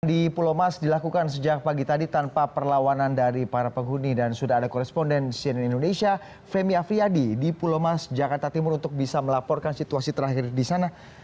di pulau mas dilakukan sejak pagi tadi tanpa perlawanan dari para penghuni dan sudah ada koresponden cnn indonesia femi afriyadi di pulau mas jakarta timur untuk bisa melaporkan situasi terakhir di sana